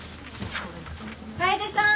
楓さん！